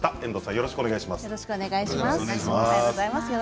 よろしくお願いします。